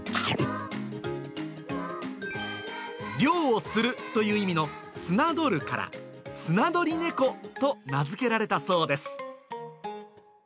漁をするという意味のすなどるから、スナドリネコと名付けられたそうです。